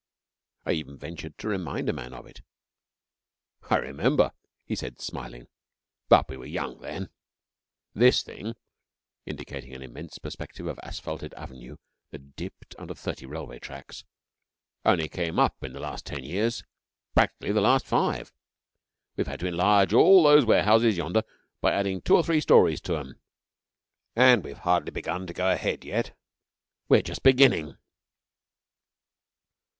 I even ventured to remind a man of it. 'I remember,' he said, smiling, 'but we were young then. This thing,' indicating an immense perspective of asphalted avenue that dipped under thirty railway tracks, 'only came up in the last ten years practically the last five. We've had to enlarge all those warehouses yonder by adding two or three stories to 'em, and we've hardly begun to go ahead yet. We're just beginning.'